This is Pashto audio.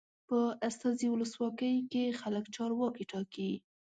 په استازي ولسواکۍ کې خلک چارواکي ټاکي.